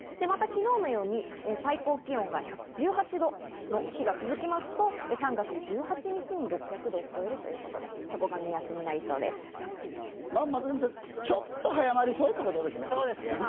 また昨日のように最高気温が１８度の日が続きますと、３月１８日に６００度を超えるということで、そこが目安になりそちょっと早まりそうということですね。